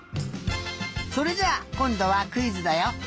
それじゃあこんどはクイズだよ。